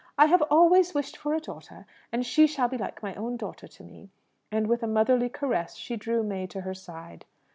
"I have always wished for a daughter, and she shall be like my own daughter to me." And, with a motherly caress, she drew May to her side.